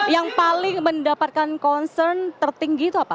yang paling mendapatkan concern tertinggi itu apa